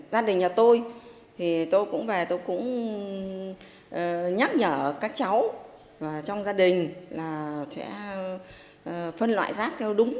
gia đình nhà tôi thì tôi cũng về tôi cũng nhắc nhở các cháu trong gia đình là sẽ phân loại rác theo đúng